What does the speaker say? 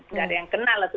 nggak ada yang kenal